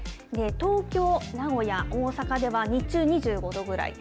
東京、名古屋、大阪では日中、２５度ぐらい。